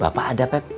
bapak ada pep